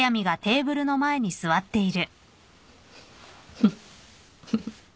フッフフ。